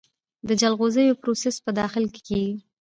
د جلغوزیو پروسس په داخل کې کیږي؟